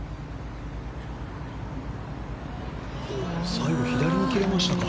最後は左に切れましたか。